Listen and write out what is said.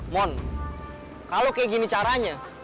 mon kalau kayak gini caranya